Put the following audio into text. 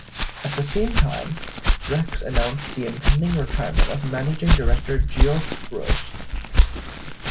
At the same time, Rex announced the impending retirement of Managing director Geoff Breust.